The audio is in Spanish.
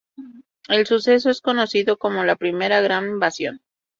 El suceso es conocido como ""La Primera Gran Evasión"".